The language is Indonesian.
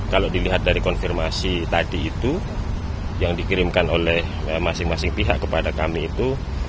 kalau dilihat dari konfirmasi tadi itu yang dikirimkan oleh masing masing pihak kepada kami itu